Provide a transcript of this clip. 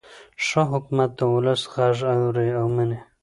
ښه حکومت د ولس غږ اوري او مني.